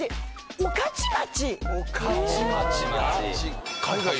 御徒町が？